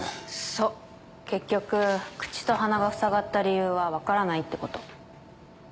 そう結局口と鼻がふさがった理由は分からないってこと。